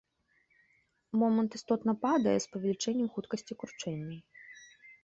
Момант істотна падае з павелічэннем хуткасці кручэння.